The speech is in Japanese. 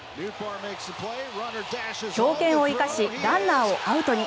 強肩を生かしランナーをアウトに。